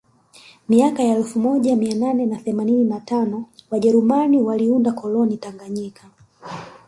Miaka ya elfu moja mia nane na themanini na tano wajerumani waliunda koloni Tanganyika